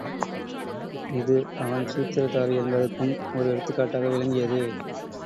இது அவன் சூத்திரதாரி என்பதற்கும் ஓர் எடுத்துக் காட்டாக விளங்கியது.